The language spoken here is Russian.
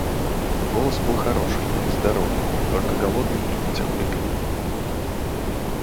Голос был хороший, здоровый, только голодный и нетерпеливый.